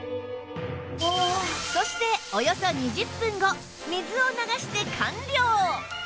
そしておよそ２０分後水を流して完了！